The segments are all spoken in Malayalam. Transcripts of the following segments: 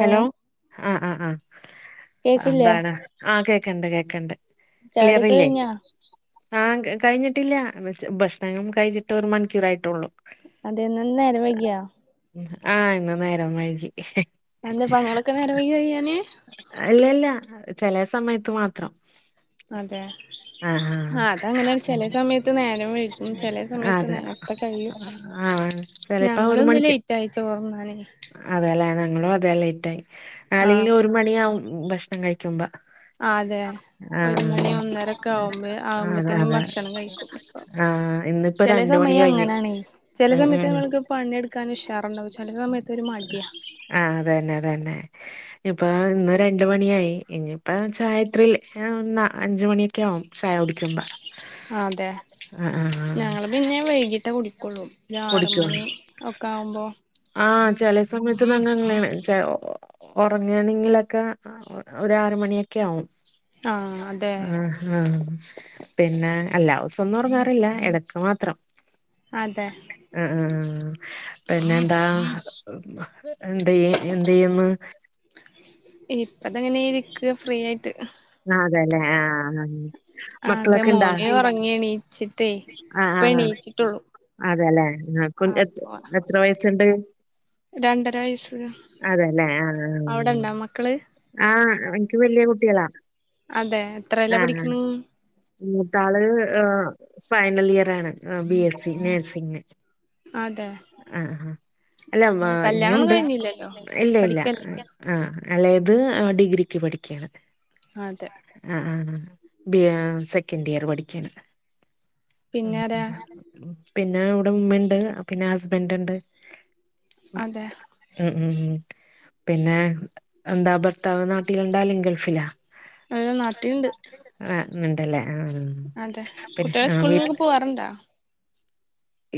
ഹലോ ആഹ് ആഹ് ആഹ് കേക്കില്ലേ എന്താണ് ആഹ് കേക്കണ്ട് കേൾക്കണ്ട് ക്ലിയർ ചായുടിയൊക്കെ ഇല്ലേ കഴിഞ്ഞാ ആഹ് കഴിഞ്ഞിട്ടില്ല ഭക്ഷണം കഴിച്ചിട്ട് ഒരു മണിക്കൂർ ആയിട്ടുള്ളൂ അത് തന്നെ ഇന്ന് നേരം വൈകിയൊ ആഹ് ഇന്ന് നേരം വൈകി നിന്റെ പണികളൊക്കെ നേരം വൈകുമോ കഴിയാന് അല്ല അല്ല ചെല സമയത്ത് മാത്രം അതെ ആഹ് അത് അങ്ങനെ ചെല സമയത്ത് നേരം വൈകും ചെല ആഹ് സമയത്ത് അതെ നേരത്തെ കഴിയും ആഹ് ഞങ്ങളും ഇന്ന് ലൈറ്റായി ചോറ് ഉണ്ണാന് അതേയില്ലേ ഞങ്ങളും അതെ ലേറ്റ് ആയി ആഹ് അല്ലെങ്കിലും ഒരു മണിയാവും ഭക്ഷണം കഴിക്കുമ്പോ. ആഹ് അതെ. ആഹ് ഒരു മണി ഒന്നരക്ക ആവുമ്പേ ആഹ് അതെ ആവുമ്പത്തിന് അതെ ഭക്ഷണം കഴിക്കും ഇപ്പൊ. ആഹ് ഇന്നിപ്പോ ചെലേ രണ്ട് മണി സമയം കഴിഞ്ഞ് അങ്ങനാണെയ് ചെലെ ഉം സമയത്ത് ഉം നമ്മൾക്ക് - പണിട്ക്കാന് ഉഷാറുണ്ടാവും ചെലെ സമയത്തൊരു മഡ്യാ. ആഹ് അതന്നെ അതന്നെ. ഇപ്പ ഇന്ന് രണ്ട മണിയായി ഇനിയിപ്പ ചായത്രിയിൽ ഒന്നാ അഞ്ച് മണ്യോക്കെ ആവും. ചായകുടിക്കുമ്പോ ആഹ് അതെ ഞങ്ങള് പിന്നെ വൈകീട്ടേ കുടിക്കൊള്ളൂ ഒരു ആറ മണി ഒ ക്കാവുമ്പോ. ആഹ് ചെല സമയത്ത് ന്നറഞ്ഞങ്ങനെണ്. ഒറങ്ങയാണെങ്കിലൊക്കെ ഒ ഒരാറ് മണിയൊക്കെ ആവും. ആഹ് അതെ. ആഹ് പിന്നെ അല്ലാവൂസൊന്നും ഒ റങ്ങാറില്ല എടക്ക് മാത്രം. അതെ ആഹ് പിന്നെന്താ? എന്തി എന്തിയ്യിന്ന്? ഇപ്പതെങ്ങനെ ഇരിക്ക ഫ്രീയായിട്ട്. ന്നതലെ ആഹ് ആഹ് നന്ന് ആഹ് അതെ മോന് ഒറങ്ങി എണീച്ചിട്ടേ ഇപ്പ എണീച്ചിട്ടൊള്ളു. അതെലെ ഇങ്ങ്ൽക്കും എത്ര വയസ്ണ്ട്? രണ്ടര വയസ്സ് അതല്ലേ ആഹ്. അവിടെണ്ടോ മക്കള് ആഹ് എൻക്ക് വല്യേ കുട്ടികളാ. അതെ. എത്രേലാ ന്നാ ന്നാന്ന്. പഠിക്ക്ണ് മത്താള് ഫൈനലിയറാണ് ബി എസ്സി നേഴ്സിംഗ്. അതെ ആഹ് അല്ല കല്യാണൊന്നും ഇങ്ങുണ്ട് കഴിഞ്ഞില്ലല്ലോ ഇല്ല ഇല്ല പഠിക്കല്ലേ ആഹ്. ആഹ് എളേത് ഡിഗ്രിക്ക് പഠിക്കാണ്. അതെ. ആഹ് ആഹ് ബിഎ സെക്കൻഡ് ഇയർ പഠിക്കാണ്. പിന്നെ ഉം ആരാ പിന്നെ ഇവ്ടെ ഉമ്മേംണ്ട് പിന്നെ ഹസ്ബൻറ്ണ്ട്. അതെ. ഉം ഉം ഉം പിന്നെ എന്താ ഭർത്താവ്നാട്ടിലണ്ടാല് ഗൾഫിലാ? അയ് നാട്ടിയിണ്ട്. ആണ്ടല്ലേ ആഹ്. അതെ കുട്ടേള് സ്കൂളിലൊക്കെ പോവാറുണ്ടോ?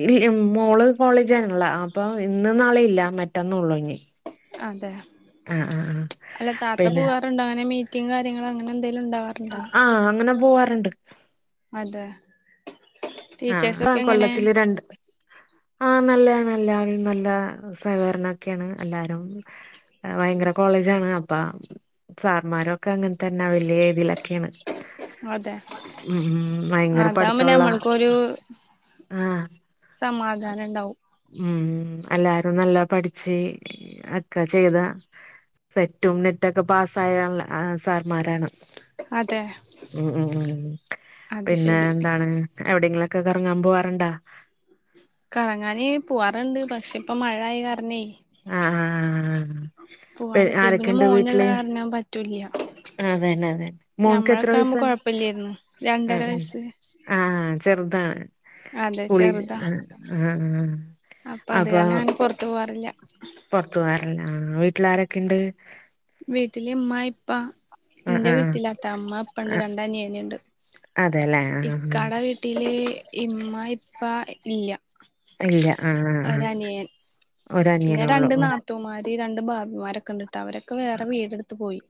ഇല്ല മോള് കോളേജ് ആണള്ള അപ്പൊ ഇന്ന് നാളെ ഇല്ല മറ്റന്ന ഉള്ളൂ ഇഞ്. അതെ അല്ല താത്ത പിന്നെ പോവാറുണ്ടോ അങ്ങനെ മീ ത്തി കാര്യങ്ങളങ്ങനെന്തൊലും ഉണ്ടവാ ആഹ് അങ്ങനെ പോവാറുണ്ട്. അതെ. ആഹ് പ്പ ടീച്ചേഴ്സൊക്കെ എങ്ങനെ കൊല്ലത്തില് രണ്ട്. ആഹ് നല്ലയാണ് നല്ലയാണ് നല്ല സഹകരനോക്കേണ് എല്ലാരും. ഭയങ്കര കോളേജ ആണ് അപ്പ സാർമാരൊക്കെ അങ്ങന്തന്നാണ് വല്യേ തിലൊക്കെണ്. അതെ ഉം ഭയങ്കര പടുതൊള്ള. ഒരു സമാധാനഇണ്ടാവും. ഉം എല്ലാരും നല്ല പഠിച്ച് ഒക്കെ ചെയ്ത സെറ്റും നെറ്റൊക്കെ പാസ്സായ സാർമാരാണ്. അതെ ഉം ഉം ഉം അത് പിന്നെ ശരി എന്താണ്? എവിടെങ്കിലൊക്കെ കറങ്ങാ പോവാറുണ്ടാ? കറങ്ങാന്പോവാറുണ്ട്പക്ഷെ ഇപ്പ മഴ ആായകാരണേ ആഹ് ആഹ് പി ആരൊക്കെയുണ്ട് പോവാൻപറ്റില്ലപിന്നെമോനുള്ള കാരണൻ പറ്റൂല്ല്യ അതന്നെതെന്നെമോൻക്കെത്ര കൊഴപ്പില്ലായിരുന്നു രണ്ടര വയസാണ്ഉംഉം വയസ്സ് ആഹ്ചെറുതാണ് അതെ ചെറുതാ സ്കൂളിആഅപ്പൊ അപ്പൊ അത് കാരണം അങ്ങനെ പുറത്തു പോവാറില്ല പൊർത്ത്പോകറില്ലആഹ് വീട്ടിലാരൊക്കെണ്ട് ആഹ് ആഹ് വീട്ടില്ഇമ്മഇപ്പഇന്റെവീട്ടിലാട്ടാ ഇമ്മഇപ്പണ്ട് ആഹ് രണ്ടനിയനുണ്ട് അതെല്ലേ ആഹ് ആഹ് ഇക്കാടെവീട്ടില്ഇമ്മഇപ്പഇല്ല്യ ഇല്ല ആഹ് ആഹ് ആഹ് ഒരനിയനേ ഉള്ളൂ ഉം ഒരനിയൻപിന്നെരണ്ട്നാത്തൂമാര് ഈരണ്ട്ഭാബിമാരൊക്കെണ്ടിട്ടാ അവരൊക്കെവേറെവീടെടുത്ത് പോയി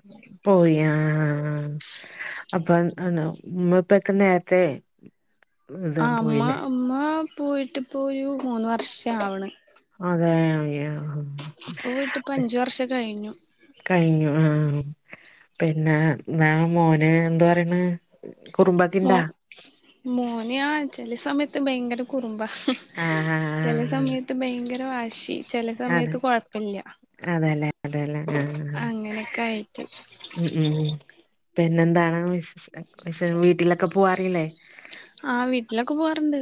പോയിആ്ഹ് ആഹ് അ അപ്പആണോഇമ്മാപ്പാക്കെനേരെത്തെ ആഇമ്മഇമ്മപോയിട്ടിപ്പോരുമൂന്ന് വർഷാവണ് അതെഹ് ഇപ്പപോയിട്ട്പ്പംഅഞ്ച് വർഷം കഴിഞ്ഞു കഴിഞ്ഞുആഹ്പിന്നെവെമോന് ന്ത് പറയണ് കുറുമ്പൊക്കെണ്ടാ മോമോന്ആചേലെസമയത്ത് ഭയങ്കരകുറുമ്പ ആഹ് ആഹ് ചെലസമയത്ത്ഭയങ്കരവാശി അതെ ചെലസമയത്ത്കൊഴപ്പല്ല്യാ അതെല്ലേ അതെല്ലേ അങ്ങനെയൊക്കായിട്ട് ഉംഉംപിന്നെന്താണ് വിവിട്ടിലൊക്കെ പോവാറില്ലേ ആഹ് വിട്ടിലൊക്കെപോവാറുണ്ട്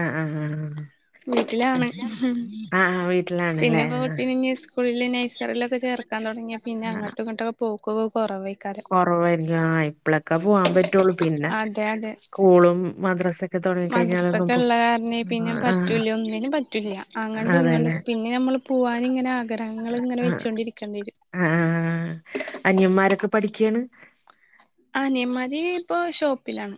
ആഹ്ആഹ് വീട്ടിലാണ്. വീട്ടിലാണല്ലേ പിന്നെഇപ്പകുട്ടിനെസ്കൂളില് നഴസറിലോക്കെചേർക്കാൻതൊട ങ്ങ്യപിന്നെഅങ്ങട്ടും ഇങ്ങട്ടൊ പോകൊക്കെകൊറവായിക്കാരം കൊറവായിരിക്കുംആഹ് ഇപ്പളോക്കെ പോവാാൻപറ്റ റ്റോള്ളു പിന്നെ അതെ അതെ സ്കൂളും മദ്രസക്കെ തൊടങ്ങി കഴിഞ്ഞാലൊന്നും പോ ആഹ് പിന്നെപറ്റൂല്ല്യഒന്നിനുംപറ്റൂില്ല അങ്ങണ്ടു അതെല്ലേ ഇങ്ങണ്ടുംപിന്നെനമ്മള് പോവാനിങ്ങനെ ആഗ്രഹങ്ങള് ഇങ്ങനെവെച്ച കൊണ്ടിരിക്കേണ്ടിരും ആഹ്അനയന്മാരൊക്കെ പഠിക്കണ് ആഹ് അനിയന്മാര്ഇപ്പൊ ഷോപ്പിലാണ്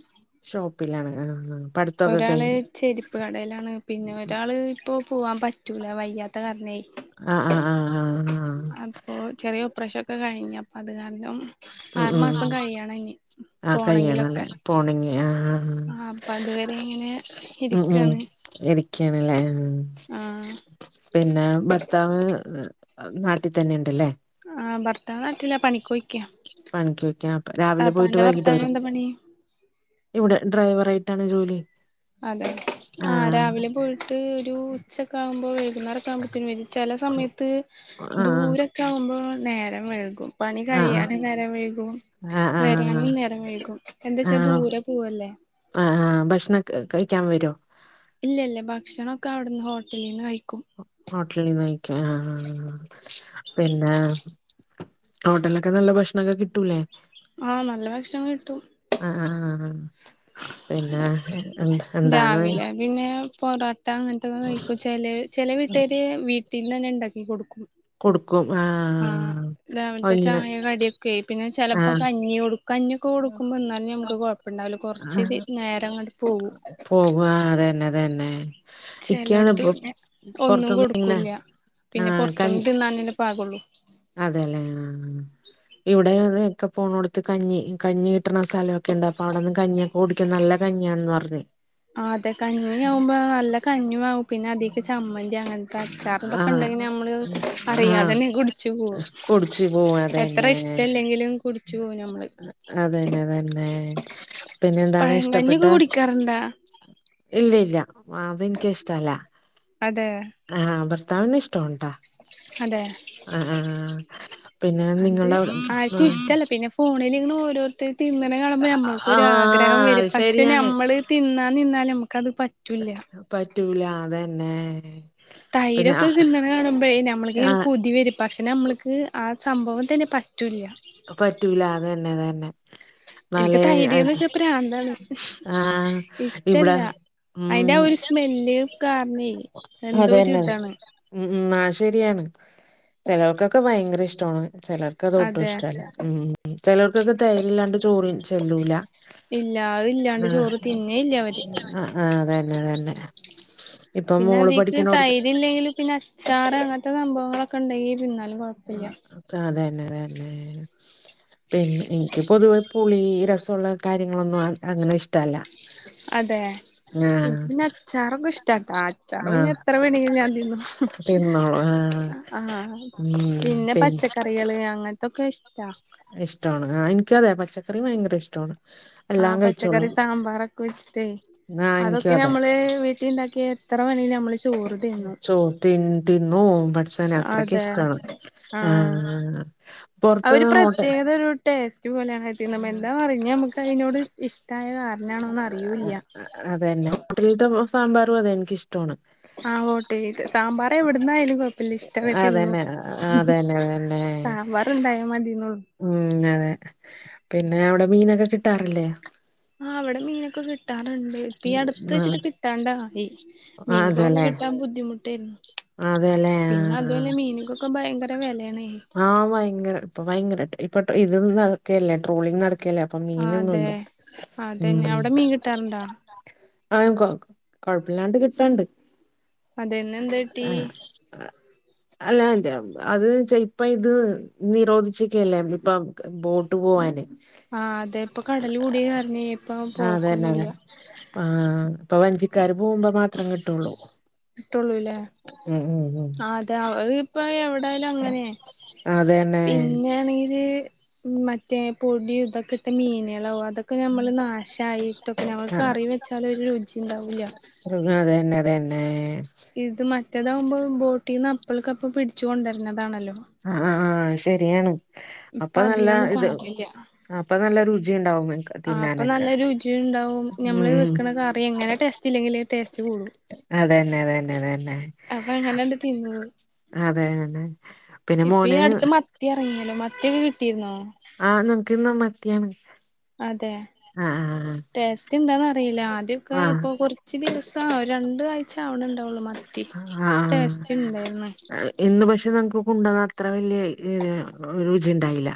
ഷോപ്പിലാണ്ആഹ്ആഹ് പഠി- ഒരാള്ചെരിപ്പ്കടെലാണ്പിന്നെ ഒരാള് ഇപ്പോപോവാൻപറ്റൂലവയ്യാത്ത കരണെ ആഹ് ആഹ്ആഹ് ആഹ്ആഹ് അപ്പോചെറിയഒപറേഷൊക്കെ കഴിഞ്ഞഅപ്പോഅത് കാരണം ഉം ഉം ആറുമാസംകഴിയണനി ആ കയ്യണല്ലേ പോണെങ്കിലൊക്കെആഹ് പോണെങ്കി ആ ആ ആ. അപ്പതുവരീങ്ങനെ ഇരിക്കേണ് ഇരിക്കണല്ലേപിന്നെഭർത്താവ് നാട്ടിൽതന്നെണ്ടല്ലേ ആഹ്ഭർത്താവ്നാട്ടില പണിക്കൊയ് പണിക്കൊയ്ക്കപ്പരാവിലെപോയിട്ട് വൈകിട്ട് ഭർത്താവിന് വരും എന്താ പണി ഇവിടെഡ്രൈവറായിട്ടാണ് ജോലി ആ അതെആഹ് രാവിലെപോയിട്ടൊരു ഉച്ചക്കെആവുമ്പോവെ നാരാക്കക്കുമ്പോത്തിന് വരുംചെല സമയത്ത് ആ ദൂരൊക്കെആകുമ്പോഴാനേരം ആ ആ വൈകുംപണികഴിയാാനെനേരം വൈകും ആ ആ ആ ആ വരാനുംനേരംവൈകുംഎന്താച്ചാ ദൂരെപോവല്ലേ. ആ ആ ഭക്ഷണം ക്ക കഴിക്കാൻ വരോ ഇല്ല്യ ഇല്ല്യ ഭക്ഷണൊക്കെ അവിടുന്ന് ഹോട്ടലിന്ന് കഴിക്കും ഹോട്ടലിന്ന് കഴിക്കും ആഹ് ആഹ് ആഹ് പിന്നെ ഹോട്ടലിലൊക്കെ നല്ല ഭക്ഷണൊക്കെ കിട്ടൂലേ ആഹ് നല്ല ഭക്ഷണം കിട്ടും ആഹ് ആഹ് ആഹ് ആഹ് പിന്നെ എ എന്ത എന്താണ് പിന്നെപൊറാട്ടഅങ്ങനത്തെൊക്കെ കഴിക്കുംചെലചെല വീട്ടേര് വീട്ടിന്നന്നെഇണ്ടാക്കി കൊടുക്കും കൊടുക്കും എ ആ രാവിലത്തെ ചായ കടി ഒക്കെ പിന്നെ ചെലപ്പോ കഞ്ഞി കൊടു കഞ്ഞി കൊടുക്കുമ്പോ ഇന്നാലും ഞമ്മക്ക് കൊഴപ്പ ഇണ്ടാവില്ല കൊറച്ചിതി ആഹ് നേരം അങ്ങോട്ട് പോവും. തന്നെ ചെലോടത്ത് പിന്നെ ഒന്നും പൊറത്തൊന്നും ഇങ്ങനെ കൊടുക്കൂല്ല്യ പിന്നെ കഞ് പൊറത്ത്ന്ന് തിന്നാനല്ലേ പാകള്ളൂ അതെല്ലെ ആഹ് ആഹ് ഇവിടെ അതെ ഒക്കെ പോണോടത്ത് കഞ്ഞി കഞ്ഞി കിട്ടണ സ്ഥലൊക്കെ ഉണ്ട് അപ്പൊ അവിടെന്ന് കഞ്ഞിയൊക്കെ കുടിക്കും നല്ല കഞ്ഞിയാണന്ന് പറഞ്ഞ് ആ അതെ കഞ്ഞി ആവുമ്പോ നല്ല കഞ്ഞി ആവും പിന്നെ അതിക്ക് ചമ്മന്തി അങ്ങനത്തെ അച്ചാറും തൊ ഉണ്ടെങ്കിൽ ആഹ് നമ്മള് അറിയാതന്നെ കുടിച്ച് പോവും കുടിച്ച് പോവാഅതേനെ കുടിച്ച് പോവും ഞമ്മള് അതന്നെ അതന്നെ പിന്നെ എന്താണ് ഇഷ്ടപ്പെട്ട പഴങ്കഞ്ഞിയൊക്കെ കുടിക്കാറുണ്ടാ ഇല്ല്യ ഇല്ല്യ അതനിക്ക് ഇഷ്ട അല്ല അതെ ആഹ് ആഹ് ഭർത്താവിന് ഇഷ്ടാ ണ് ട്ടോ അതെ ആ ആ ആ പിന്നെ അത് നിങ്ങളുടെ അവിടെ ആ ആർക്കും ഇഷ്ടല്ല പിന്നെ ഫോണിലിങ്ങനെ ഓരോരുത്തര് തിന്നണെ കാണുമ്പോൾ ആഹ് നമ്മൾക്കൊര് ആഗ്രഹം ആഹ് വരും അത് പക്ഷെ ശരിയാണ് നമ്മള് തിന്നാ നിന്നാല് നമ്മക്കത് പറ്റൂല്ല്യ പറ്റൂല അതന്നെ പിന്നെ തൈരൊക്കെ ആഹ് തിന്നണെ കാണുമ്പഴേ ഞമ്മൾക്കിങ്ങനെ ആഹ് കൊതി വരും പക്ഷെ ഞമ്മള്ക്ക് ആ സംഭവം തന്നെ പറ്റുംല്ല്യ പറ്റൂല അതന്നെ അതന്നെ നല്ല ഇൻക്ക് തൈര്ന്ന് അത് വെച്ചാ പ്രാന്താണ് ആഹ് ഇവിടെ ഇഷ്ടല്ല അയ്ന്റെ ഉം ആ ഒരു സ്മെല്ല് കാരണെ എന്തോ ഒരു അതന്നെ ഇതാണ് ഉം ഉം ആ ശരിയാണ് ചിലർക്കൊക്കെ ഭയങ്കര ഇഷ്ടമാണ് ചിലർക്കതൊ അതെ ഉം ഉം ചെലർക്കൊക്കെ തൈര്ല്ലാണ്ട് ചോറ് ചെല്ലൂല ഇല്ല അത് ഇല്ലാണ്ട് ആഹ് ചോറ് തിന്നേ ഇല്ല അവര് അ ആ അതന്നെ അതന്നെ ഇപ്പൊ പിന്നെ മോള് അതിക്ക് പഠിക്കണോടത്ത് തൈര് ഇല്ലെങ്കിലും പിന്നെ അച്ചാറ് അങ്ങനത്തെ സംഭവങ്ങളൊക്കെ ഉണ്ടെങ്കി തിന്നാലും കൊഴപ്പല്ല്യ ആ അതന്നെതന്നെ പിന്നെ എനിക്ക് പൊതുവേ പുളി രസമുള്ള കാര്യങ്ങളൊന്നും അങ്ങനെ ഇഷ്ടമല്ല അതെ ഇൻക്ക് പിന്നെ അച്ചാറൊക്കെ ഇഷ്ടാട്ടാ അച്ചാറ് പിന്നെ ആഹ് എത്ര വേണെങ്കിലും ഞാൻ തിന്നും തിന്നോളൂ ആഹ് ആഹ് ആഹ് പിന്നെ പച്ചക്കറികള് അങ്ങനത്തൊക്കെ ഇഷ്ടാ ഇഷ്ടമാണ് ആ എനിക്കതെ പച്ച ആഹ പച്ചക്കറി കഴിച്ചോളും സാമ്പാറൊക്കെ വെച്ചിട്ടെ ആഹ് എനിക്കും അതൊക്കെ അതെ ഞമ്മള് വീട്ടിണ്ടാക്കിയ എത്ര വേണങ്കിലും ഞമ്മള് സോ തിന് തിന്നു പടച്ചോനെ അതെ അത്രക്കിഷ്ടാണ് ആഹ് അഹ് അഹ് അവ ഒരു പ്രത്യേകത ഒരു ടേസ്റ്റ് പോലെയാണ് അത് തിന്നുമ്മം എന്താന്നറിഞ്ഞാൽ നമുക്ക് അതിനോട് ഇഷ് ട്ടായ കാരണാണോന്ന് അറിയൂല്ല്യ അതെന്നെ ഹോട്ടലീത്ത സാമ്പാറും അതെ എനിക്കിഷ്ടമാണ് ആ ഹോട്ടലീത്തെ സാമ്പാറ് എവിടുന്നായാലും കൊഴപ്പില്ല ഇഷ്ട വേതിന്നു അതന്നെ ആഹ് അതന്നെ അതന്നെ സാമ്പാർണ്ടായ മതി ന്നൊള്ളൂ ഉം അതെ പിന്നെ അവിടെ മീനൊക്കെ കിട്ടാറില്ലേ ആ അവിടെ മീനൊക്കെ കിട്ട കിട്ടാറുണ്ട് ഇപ്പ ഈ അടുത്ത് ഉം ആ വെച്ചിട്ട് കിട്ടാണ്ട ആയി മീനക്കൊക്കെ കിട്ടാൻ ബുദ്ധിമുട്ടായിരുന്നു അതെ അല്ലെ പിന്നെ അതു അല്ലെ മീനിക്കൊക്കെ ഭയങ്കര വിലയാണ് ആ ഭയങ്കര ഇപ്പ ഭയങ്കരമായിട്ട് ഇപ്പൊ ഇത് നടക്കല്ലേ ട്രോളിങ് നടക്കുകല്ലേ ഇപ്പം ആഹ് അതെ മീനൊന്നുമല്ല ഉം അതന്നെ അവിടെ മീൻ കിട്ടാറുണ്ടോ ആ കൊ കുഴപ്പമില്ലാതെ കിട്ടുണ്ട് അതന്നെ എന്ത് കിട്ടി ആഹ് ആഹ് അല്ല അത് [unintelligible] ഇത് നിരോധിച്ചിക്കല്ലേ ഇപ്പ ബോട്ട് പോവാന് ആഹ് അതെ ഇപ്പ കടലു കൂടിയകാരണേ ഇപ്പ പോക്കൊന്നുല്ല്യ ആഹ് അപ്പൊ വഞ്ചിക്കാര് പോകുമ്പ മാത്രം കിട്ടുള്ളൂ കിട്ടുള്ളൂല്ലേ ഉം ഉം ഉം ആഹ് അതെ അവ ഇപ്പ എവിടായാലും അങ്ങനെ അതന്നെ പിന്നെയാണെങ്കില് മറ്റേ പൊടി ഇതൊക്കെ ഇട്ട മീനുകള അതൊക്കെ ഞമ്മള് നാശായിട്ടൊക്കെ ഞമ്മക്ക് ആ കറി വെച്ചാല് ഒരു രുചി ഉണ്ടാവൂല്ല സത് ഉം അതന്നെ അതന്നെ ഇത് മറ്റേതാവുമ്പോ ബോട്ടീന്ന് അപ്പൾക്കപ്പ പിടിച്ചു കൊണ്ടരുന്നതാണല്ലോ ആഹ് ആഹ് ശരിയാണ് അപ്പ ഇപ്പൊ നല്ല അതിനൊന്നും ഇത് പാകില്ല അപ്പൊ നല്ല രുചിണ്ടാവും [unintelligible] ആ അപ്പ നല്ല രുചി ഉണ്ടാവും ഉം ഞമ്മള് ഉം വെക്കണകറി എങ്ങനെ ടേസ്റ്റ് ഇല്ലങ്കിലും ടേസ്റ്റ് കൂടും അതന്നെ അതന്നെ അതന്നെ അപ്പൊ അങ്ങനെണ്ട് തിന്നു പോയി അതെ അതെ ഇപ്പ ഈ അടുത്ത് മത്തി എറങ്ങിയല്ലോ മത്തിയൊക്കെ കിട്ടിയിരുന്നോ ആ നമുക്ക് ഇന്ന് മത്തിയാണ് അതെ ആ ആ ടേസ്റ്റ് ഇണ്ടെന്ന് അറിയില്ല ആദ്യക്കെ ആ ഇപ്പൊ കുറച്ച് ഇച്ചി ദിവസ രണ്ട് ആഴ്ച ആവണണ്ടാവുള്ളൂ [unintelligible] ആഹ് ഇന്ന് പക്ഷെ ഞങ്ങക്ക് കൊണ്ടുവന്ന അത്ര വലിയ രുചി ഇണ്ടായില്ല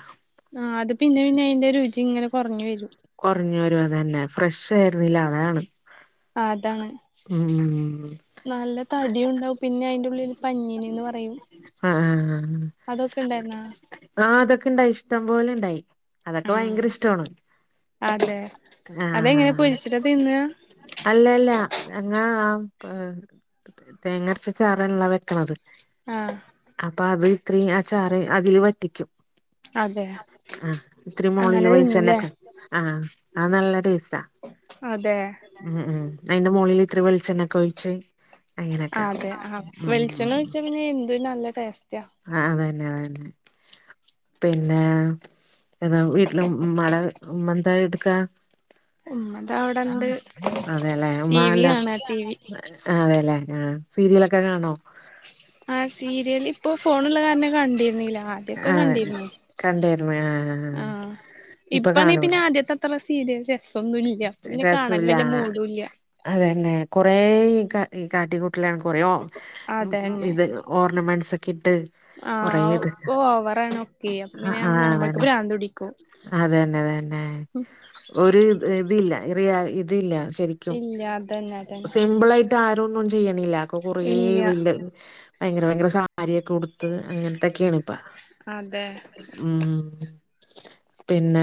ആഹ് അത് പിന്നെ പിന്നെ അയിന്റെ രുചി ഇങ്ങനെ കുറഞ്ഞു വരും കൊറഞ്ഞു വരും അതന്നെ ഫ്രഷ് ആയിരുന്നില്ല അതാണ് ആഹ് അതാണ് ഉം നല്ല തടിയുണ്ടാവും പിന്നെ അയിൻ്റുള്ളില് പനിഞീന്നി ന്നു പറയും ആഹ് അതൊക്കെ ഇണ്ടായിരുന്നാ ആഹ് ആഹ് അതൊക്കെ ഇണ്ടായി ഇഷ്ടം പോലെ ഇണ്ടായി അതൊക്കെ ഭയങ്കര ആ ഇഷ്ടവാണ് അതെ അതെങ്ങനെ പൊരിച്ചിട്ട തിന്നാ അല്ലല്ല ഞങ്ങ [unintelligible] തേങ്ങരച്ച ചാറല്ല വെക്കണത് ആഹ് അപ്പൊ അത് ഇത്രയും ആ ചാറ് അതിലു വറ്റിക്കും അതെ ആഹ് ഇത്തിരി മോളിൽ അങ്ങനെ തിന്നുല്ലേ വെളിച്ചെണ്ണക്ക ആഹ് അത് നല്ല ടേസ്റ്റാ അതെ ഉം ഉം അയിന്റെ മോളില് ഇത്തിരി വെളിച്ചെണ്ണയൊക്കൊഴിച്ച് അങ്ങനെയൊക്കെ അതെ ആ വെളിച്ചെണ്ണ ഒഴിച്ചാ പിന്നെ എന്തൊരു നല്ല ടേസ്റ്റാ ആഹ് അതന്നെ അതന്നെ പിന്നെ വീട്ടിലെ ഉമ്മാടെ ഉമ്മ എന്താ എടുക്കാ ഉമ്മതാ അവിടെണ്ട് അതെല്ലേ ഉമ്മ ടി വി എല്ലാം കാണാ ടി വി ആഹ് അതെല്ലെ ആഹ് സീരിയലൊക്കെ കാണോ ആ സീരിയലിപ്പൊ ഫോണ്‌ള്ള കാരണം കണ്ടിരുന്നില്ല ആദ്യൊക്കെ ആഹ് കണ്ടിരുന്നു കണ്ടിരുന്നു ആ ആഹ് ഇപ്പൊ ഇപ്പ നീ കാണൂല പിന്നെ ആദ്യത്തെ ത്ര സീരിയല് രസൊന്നും ഇല്ല്യ പിന്നെ കാണാൻ വല്യ മൂഡും ഇല്ല്യ അതെന്നെ കൊറെ ഈ കാ ഈ കാട്ടി കു [unintelligible] കൊറെ [unintelligible] അതന്നെ ഇത് ഓർണമെന്റ്സൊക്കെ ഇട്ട് കൊറേ ആഹ് ഇത് ഒക് ഓവറാണ് ഒക്കെയ് അപ്പൊ ആഹ് പിന്നെ ആഹ് ഞമ്മക്ക് അതന്നെ പ്രാന്തുടിക്കും അതന്നെ അതന്നെ ഉം ഒരു ഇത് ഇതില്ല ഇറിയ ഇതില്ല ശരിക്കും ഇല്ല അതന്നെ അതന്നെ സിമ്പിളായിട്ട് ട്ടാരൊന്നും ചെയ്യണില്ല പ്പൊ കൊറേ ഇല്ല [unintelligible] ഭയങ്കര ഭയങ്കര സാരിയൊക്കെ ഉടുത്ത് അങ്ങനത്തൊക്കെയാണ് ഇപ്പ അതെ ഉം പിന്നെ